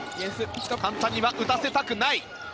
簡単には打たせたくない。